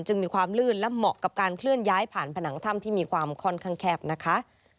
มีความลื่นและเหมาะกับการเคลื่อนย้ายผ่านผนังถ้ำที่มีความค่อนข้างแคบนะคะ